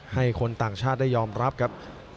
ให้คนต่างชาติได้ยอมรับครับ